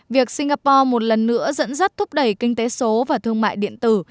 việc singapore một lần nữa dẫn dắt thúc đẩy kinh tế số và thương mại điện tử